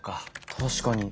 確かに。